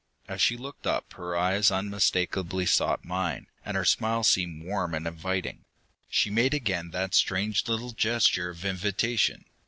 As she looked up, her eyes unmistakably sought mine, and her smile seemed warm and inviting. She made again that strange little gesture of invitation.